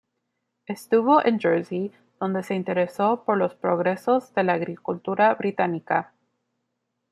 Estuvo en Jersey, donde se interesó por los progresos de la agricultura británica.